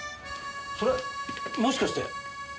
それもしかして。